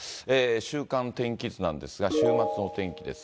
週間天気図なんですが、週末のお天気です。